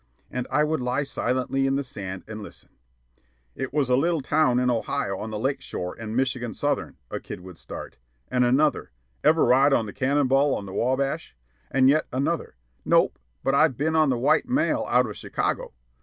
'" And I would lie silently in the sand and listen. "It was at a little town in Ohio on the Lake Shore and Michigan Southern," a kid would start; and another, "Ever ride the Cannonball on the Wabash?"; and yet another, "Nope, but I've been on the White Mail out of Chicago."